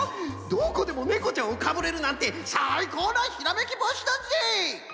どこでもネコちゃんをかぶれるなんてさいこうのひらめきぼうしだぜ！